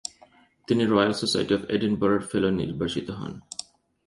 তিনি royal society of এডিনবরার fellow নির্বাচিত হন।